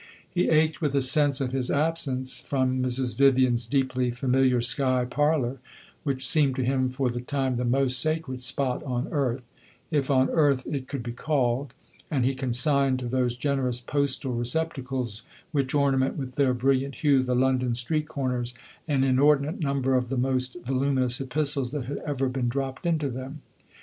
He ached with a sense of his absence from Mrs. Vivian's deeply familiar sky parlor, which seemed to him for the time the most sacred spot on earth if on earth it could be called and he consigned to those generous postal receptacles which ornament with their brilliant hue the London street corners, an inordinate number of the most voluminous epistles that had ever been dropped into them.